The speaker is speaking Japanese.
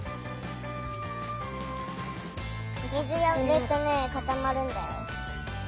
水をいれるとねかたまるんだよ。